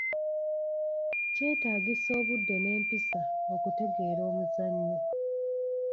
Kyetaagisa obudde n'empisa okutegeera omuzannyo.